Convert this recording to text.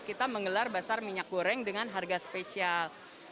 kita menggelar basar minyak goreng dengan harga spesial